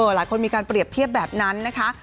หลายคนมีการเปรียบเทียบแบบนั้นนะคะ